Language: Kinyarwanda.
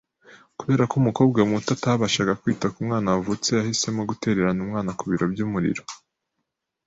Kubera ko umukobwa muto atabashaga kwita ku mwana wavutse, yahisemo gutererana umwana ku biro by’umuriro